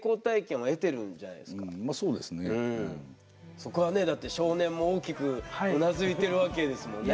そこはねだって少年も大きくうなずいてるわけですもんね。